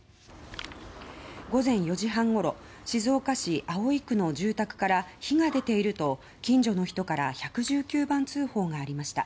午前４時半ごろ静岡市葵区の住宅から火が出ていると近所の人から１１９番通報がありました。